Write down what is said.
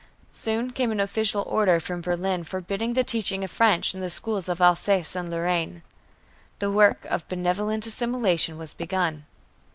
Soon came an official order from Berlin forbidding the teaching of French in the schools of Alsace and Lorraine. The work of benevolent assimilation was begun.